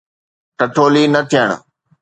ٺٺولي نه ٿيڻ.